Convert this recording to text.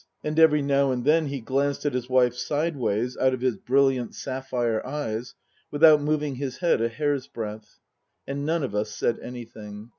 And every now and then he glanced at his wife sideways out of his brilliant sapphire eyes, without moving his head a hair's breadth. And none of us said anything.